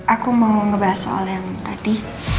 aku mau ngebahas soal yang tadi